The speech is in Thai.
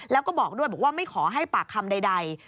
แล้วก็บอกด้วยบอกว่าไม่ขอให้ปากคำใด